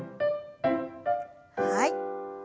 はい。